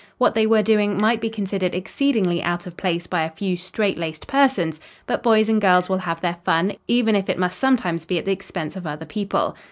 What they were doing might be considered exceedingly out of place by a few straightlaced persons, but boys and girls will have their fun, even if it must sometimes be at the expense of other people.